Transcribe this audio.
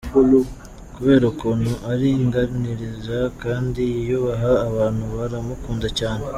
Kubera ukuntu ari inganirizi kandi yiyubaha abantu baramukunda cyane.